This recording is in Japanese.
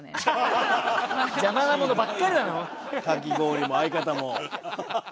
「かき氷」も相方も。